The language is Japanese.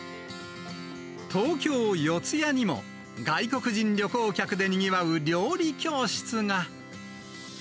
東京・四谷にも、外国人旅行客でにぎわう料理教室が。